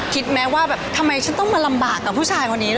คิดไหมว่าแบบทำไมฉันต้องมาลำบากกับผู้ชายคนนี้